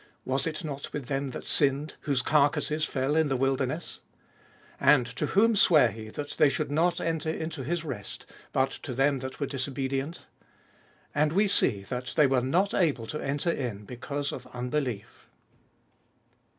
was it not with them that sinned, whose carcases fell in the wilderness ? 18. And to whom sware he that they should not enter into his rest, but to them that were disobedient P 19. And we see that they were not able to enter in because of unbelief.